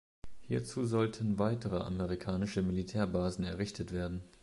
Hierzu sollten weitere amerikanische Militärbasen errichtet werden.